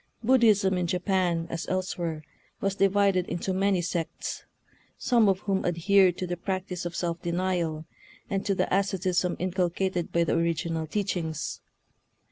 Buddhism in Japan, as elsewhere, was divided into many sects, some of whom adhered to the practice of self denial, and to the asceticism inculcated by the origi nal teachings.